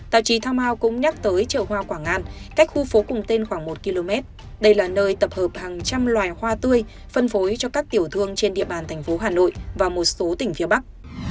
tạp chí thomas cũng nhắc tới chợ hoa quảng an cách khu phố cùng tên khoảng một km đây là nơi tập hợp hàng trăm loài hoa tươi phân phối cho các tiểu thương trên địa bàn thành phố hà nội và một số tỉnh phía bắc